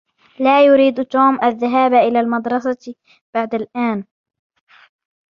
لا يريد توم الذهاب الي المدرسه بعد الان